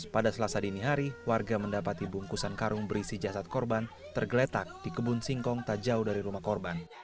pada selasa dini hari warga mendapati bungkusan karung berisi jasad korban tergeletak di kebun singkong tak jauh dari rumah korban